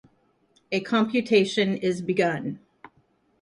A computation is begun.